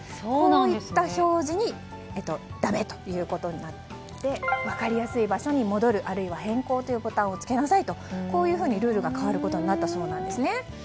こういった表示がだめということになって分かりやすい場所に戻る、あるいは変更というボタンをつけなさいというこういうふうにルールが変わることになったそうです。